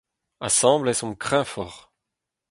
Asambles omp kreñvoc'h !